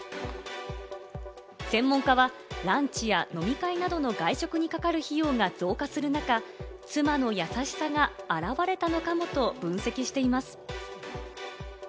専門家はランチや飲み会などの外食にかかる費用が増加する中、妻の優しさがあらわれたのかもと分析しています。